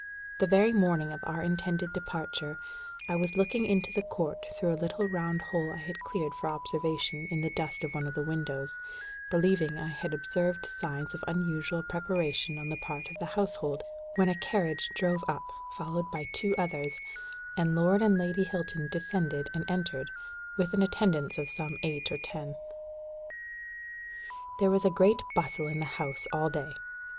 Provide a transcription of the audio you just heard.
The very morning of our intended departure, I was looking into the court through a little round hole I had cleared for observation in the dust of one of the windows, believing I had observed signs of unusual preparation on the part of the household, when a carriage drove up, followed by two others, and Lord and Lady Hilton descended and entered, with an attendance of some eight or ten. There was a great bustle in the house all day.